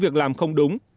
việc làm không đúng